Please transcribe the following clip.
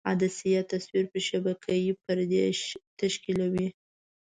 عدسیه تصویر پر شبکیې پردې تشکیولوي.